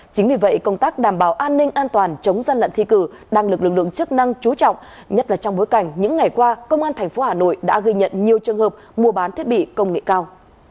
chính vì vậy công tác đảm bảo an ninh an toàn chống gian lận thi cử đang được lực lượng chức năng chú trọng nhất là trong bối cảnh những ngày qua công an tp hà nội đã ghi nhận nhiều trường hợp mua bán thiết bị công nghệ cao